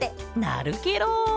なるケロ！